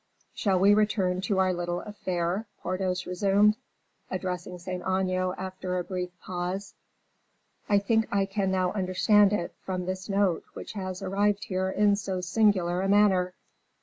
"Shall we return to our little affair?" Porthos resumed, addressing Saint Aignan after a brief pause. "I think I can now understand it, from this note, which has arrived here in so singular a manner.